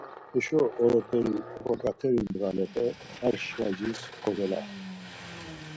Heşo oroperi oǩoǩateri ndğalepe ar şvacis kogolaxtu.